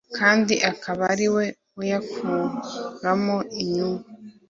kandi akaba ari we uyakuramo inyungu